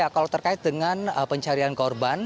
kalau terkait dengan pencarian korban